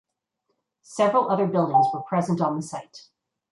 Several other buildings were present on the site.